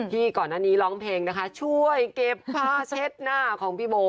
ก่อนหน้านี้ร้องเพลงนะคะช่วยเก็บผ้าเช็ดหน้าของพี่โบ